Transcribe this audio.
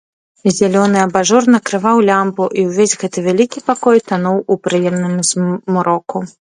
Зялёны абажур накрываў лямпу, і ўвесь гэты вялікі пакой тануў у прыемным змроку.